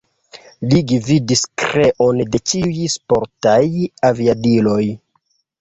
Li gvidis kreon de ĉiuj sportaj aviadiloj.